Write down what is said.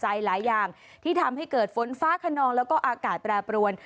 ฮัลโหลฮัลโหลฮัลโหลฮัลโหลฮัลโหลฮัลโหล